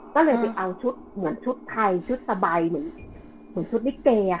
ก็เลยไปเอาชุดเหมือนชุดไทยชุดสบายเหมือนชุดลิเก